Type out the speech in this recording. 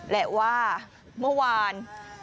และว่าเมื่อวาน